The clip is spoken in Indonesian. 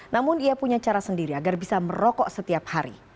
namun ia punya cara sendiri agar bisa merokok setiap hari